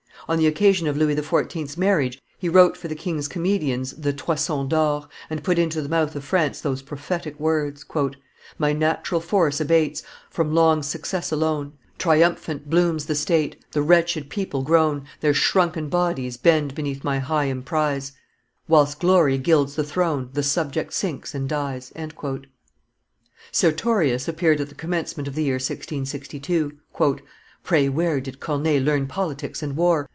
On the occasion of Louis XIV.'s marriage he wrote for the king's comedians the Toison d'or, and put into the mouth of France those prophetic words: "My natural force abates, from long success alone; Triumphant blooms the state, the wretched people groan Their shrunken bodies bend beneath my high emprise; Whilst glory gilds the throne, the subject sinks and dies." Sertorius appeared at the commencement of the year 1662. "Pray where did Corneille learn politics and war?"